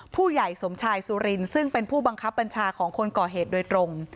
ผู้ใหญ่สมชายสุรินซึ่งเป็นผู้บังคับบัญชาของคนก่อเหตุโดยตรง